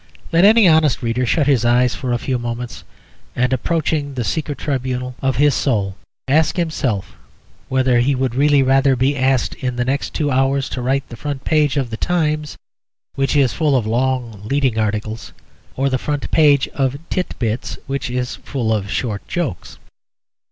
Let any honest reader shut his eyes for a few moments, and approaching the secret tribunal of his soul, ask himself whether he would really rather be asked in the next two hours to write the front page of the Times, which is full of long leading articles, or the front page of Tit Bits, which is full of short jokes.